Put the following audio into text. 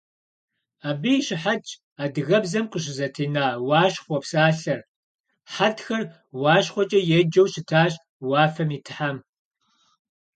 Абы и щыхьэтщ адыгэбзэм къыщызэтена «уащхъуэ» псалъэр: хьэтхэр УащхъуэкӀэ еджэу щытащ уафэм и тхьэм.